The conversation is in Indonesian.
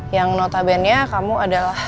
yang notabene nya kamu adalah